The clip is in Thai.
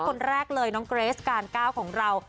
คนแรกเลยน้องเกรสการก้าวของเรา